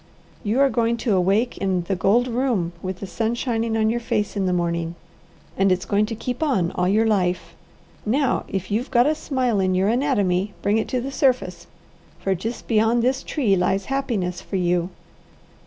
"You are going to awake in the gold room with the sun shining on your face in the morning, and it's going to keep on all your life. Now if you've got a smile in your anatomy, bring it to the surface, for just beyond this tree lies happiness for you."